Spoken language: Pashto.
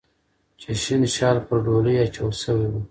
چې شین شال پر ډولۍ اچول شوی و